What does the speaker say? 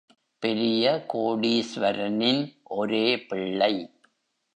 பெரிய கோடீஸ்வரனின் ஒரே பிள்ளை.